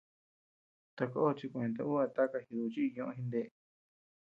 Taka chikueta ú a taka jiduchiy ñoʼo jindeʼe.